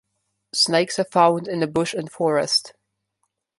Snakes are found in the bush and forest.